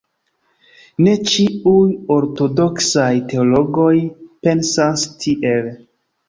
Ne ĉiuj ortodoksaj teologoj pensas tiel.